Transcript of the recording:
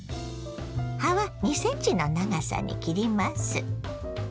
葉は２ｃｍの長さに切ります。